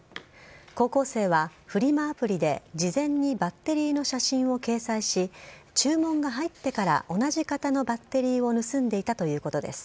高校生はフリマアプリで事前にバッテリーの写真を掲載し、注文が入ってから、同じ型のバッテリーを盗んでいたということです。